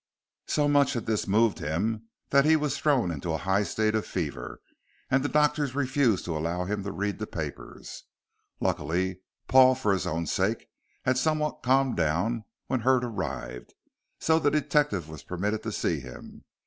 So much had this moved him that he was thrown into a high state of fever, and the doctor refused to allow him to read the papers. Luckily, Paul, for his own sake, had somewhat calmed down when Hurd arrived, so the detective was permitted to see him.